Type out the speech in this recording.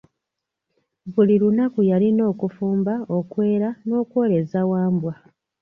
Buli lunaku yalina okufumba, okwera n'okwoleza Wambwa.